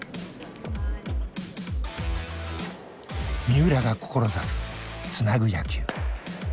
三浦が志すつなぐ野球。